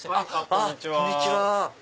こんにちは。